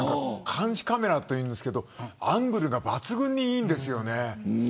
監視カメラといいますがアングルが抜群にいいんです。